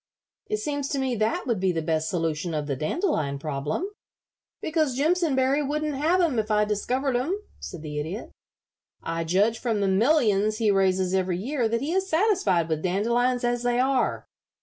"It seems to me that would be the best solution of the dandelion problem." "Because Jimpsonberry wouldn't have 'em if I discovered 'em," said the Idiot. "I judge from the millions he raises every year that he is satisfied with dandelions as they are.